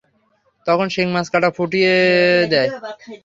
তখন শিং মাছ কাটা ফুটিয়ে দেয়।